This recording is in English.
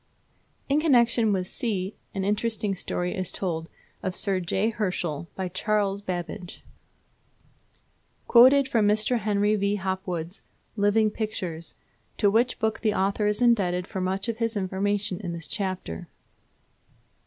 In connection with (c) an interesting story is told of Sir J. Herschel by Charles Babbage: Quoted from Mr. Henry V. Hopwood's "Living Pictures," to which book the author is indebted for much of his information in this chapter.